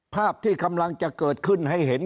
ภาพที่กำลังจะเกิดขึ้นให้เห็น